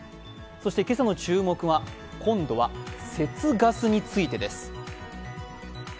今朝の注目は、今度は節ガスについてです。